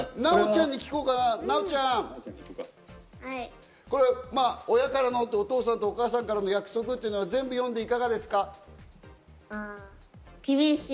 なおちゃんに聞こうかな、なおちゃん、これ、お父さんとお母さんからの約束、全部読んでいかがですか？